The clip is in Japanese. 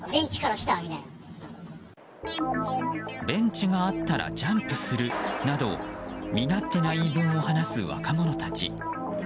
ベンチがあったらジャンプするなど身勝手な言い分を話す若者たち。